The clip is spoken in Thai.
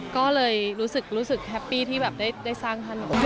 ก็เลยรู้สึกแฮปปี้ที่แบบได้สร้างถนน